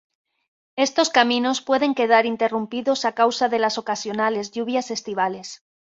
Estos caminos pueden quedar interrumpidos a causa de las ocasionales lluvias estivales.